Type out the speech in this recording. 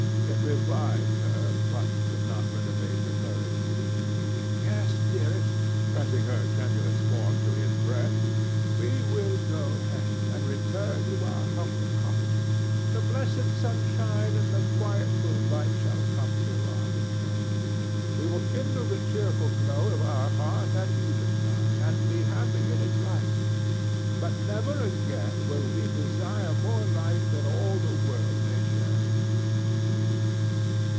It revived her, but could not renovate her courage. "Yes, dearest," cried Matthew, pressing her tremulous form to his breast; "we will go hence and return to our humble cottage. The blessed sunshine and the quiet moonlight shall come through our window. We will kindle the cheerful glow of our hearth at eventide and be happy in its light. But never again will we desire more light than all the world may share with us."